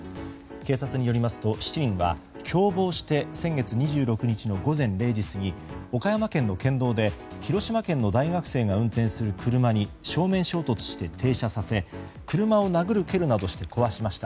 警察によりますと７人は共謀して先月２６日の午前０時過ぎ岡山県の県道で広島県の大学生が運転する車に正面衝突して停車させ車を殴る蹴るなどして壊しました。